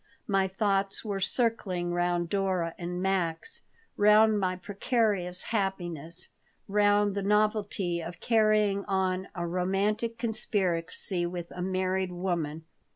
My thoughts were circling round Dora and Max, round my precarious happiness, round the novelty of carrying on a romantic conspiracy with a married woman.